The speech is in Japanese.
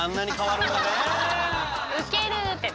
ウケるってね。